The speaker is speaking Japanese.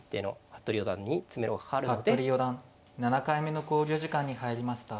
服部四段７回目の考慮時間に入りました。